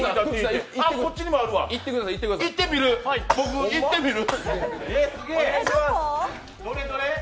行ってみる、行ってみる！